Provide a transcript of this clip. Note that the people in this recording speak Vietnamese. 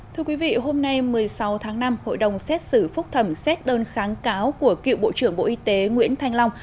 thưa quý vị hôm nay một mươi sáu tháng năm hội đồng xét xử phúc thẩm xét đơn kháng cáo của cựu bộ trưởng bộ y tế nguyễn thanh long